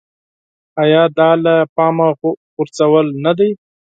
ایا دا له پامه غورځول نه دي.